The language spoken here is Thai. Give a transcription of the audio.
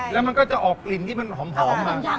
แล้วมันก็จะออกกลิ่นที่มันหอมมา